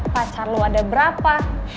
pacar lo ada berapa